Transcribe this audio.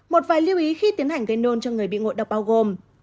một vài lưu ý khi tiến hành gây nôn cho người bị ngộ độc bao gồm